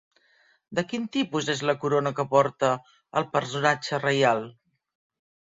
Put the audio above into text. De quin tipus és la corona que porta el personatge reial?